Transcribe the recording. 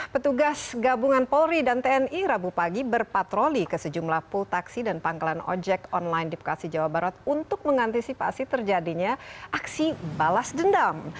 petugas gabungan polri dan tni rabu pagi berpatroli ke sejumlah pul taksi dan pangkalan ojek online di bekasi jawa barat untuk mengantisipasi terjadinya aksi balas dendam